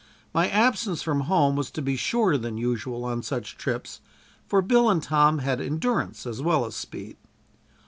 My absence from home was to be shorter than usual on such trips, for Bill and Tom had endurance as well as speed.